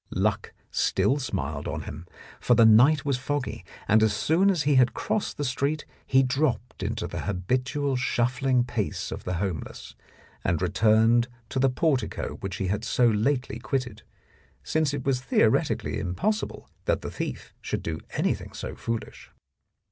Luck still smiled on him, for the night was foggy, and as soon as he had crossed the street he dropped into the habitual shuffling pace of the homeless, and returned to the portico which he had so lately quitted, since it was theoretically impossible that the thief should do anything so foolish.